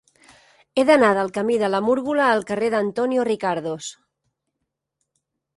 He d'anar del camí de la Múrgola al carrer d'Antonio Ricardos.